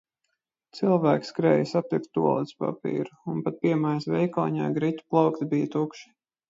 Cilvēki skrēja sapirkt tualetes papīru, un pat piemājas veikaliņā griķu plaukti bija tukši.